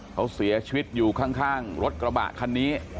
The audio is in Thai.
เขาเสียชีวิตอยู่ข้างรถกระบะคันนี้